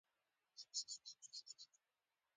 برېښنایي ساحه د بار د شاوخوا فضا ده.